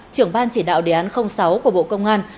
trưởng ban chỉ đạo đề án sáu của bộ công an